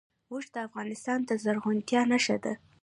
اوښ د افغانستان د زرغونتیا نښه ده.